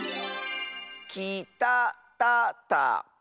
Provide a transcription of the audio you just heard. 「きたたたか」！